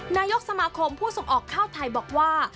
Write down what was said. นายกสมาคมผู้ส่งออกข้าวไทยบอกว่า